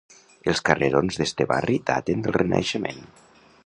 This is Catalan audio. Els carrerons d'este barri daten del Renaixement.